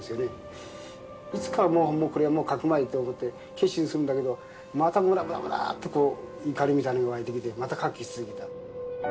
いつかはこれはもう描くまいと思って決心するんだけどまたムラムラムラっとこう怒りみたいなものが湧いてきてまた描き続けた。